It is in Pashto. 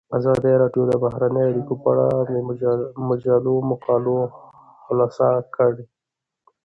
ازادي راډیو د بهرنۍ اړیکې په اړه د مجلو مقالو خلاصه کړې.